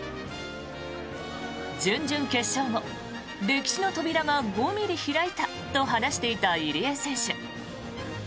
準々決勝後歴史の扉が５ミリ開いたと話していた入江選手。